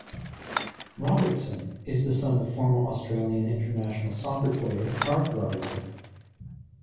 Robertson is the son of former Australian international soccer player Mark Robertson.